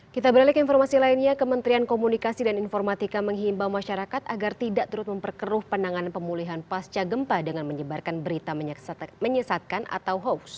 kita beralih ke informasi lainnya kementerian komunikasi dan informatika menghimbau masyarakat agar tidak terus memperkeruh penanganan pemulihan pasca gempa dengan menyebarkan berita menyesatkan atau hoax